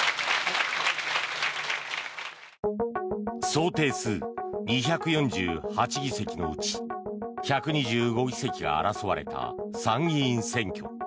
総定数２４８議席のうち１２５議席が争われた参議院選挙。